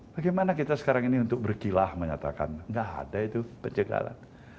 bagaimana kita sekarang ini untuk berkilah menyatakan nggak ada itu pencegahan